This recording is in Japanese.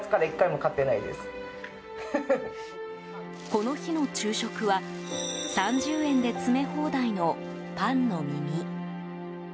この日の昼食は３０円で詰め放題のパンの耳。